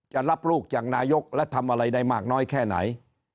จะรับลูกจากนายกและทำอะไรได้มากน้อยแค่ไหน